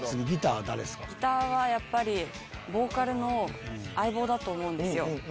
ギターはやっぱりボーカルの相棒だと思うんですよ。